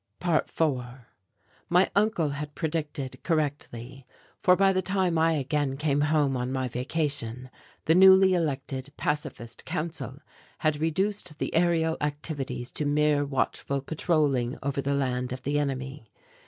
~4~ My uncle had predicted correctly, for by the time I again came home on my vacation, the newly elected Pacifist Council had reduced the aerial activities to mere watchful patroling over the land of the enemy.